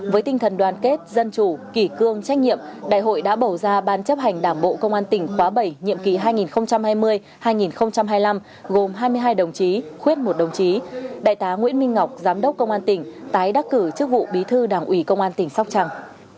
với tinh thần đoàn kết dân chủ kỷ cương trách nhiệm đại hội đã bầu ra ban chấp hành đảng bộ công an tỉnh khóa bảy nhiệm kỳ hai nghìn hai mươi hai nghìn hai mươi năm gồm hai mươi hai đồng chí khuyết một đồng chí đại tá nguyễn minh ngọc giám đốc công an tỉnh tái đắc cử chức vụ bí thư đảng ủy công an tỉnh sóc trăng